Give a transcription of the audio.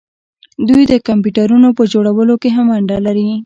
دوی د کمپیوټرونو په جوړولو کې هم ونډه لري.